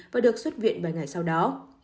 và được xuất viện vài ngày sau đó